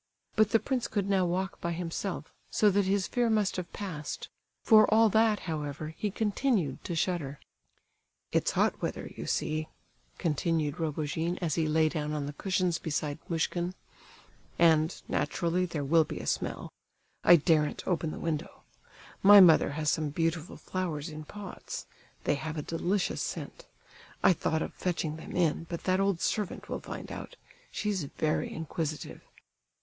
But the prince could now walk by himself, so that his fear must have passed; for all that, however, he continued to shudder. "It's hot weather, you see," continued Rogojin, as he lay down on the cushions beside Muishkin, "and, naturally, there will be a smell. I daren't open the window. My mother has some beautiful flowers in pots; they have a delicious scent; I thought of fetching them in, but that old servant will find out, she's very inquisitive."